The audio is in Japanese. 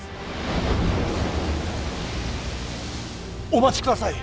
お待ちください。